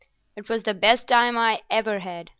"It was the best time I ever had.